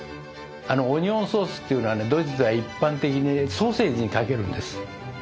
オニオンソースっていうのはドイツでは一般的にねソーセージにかけるんです。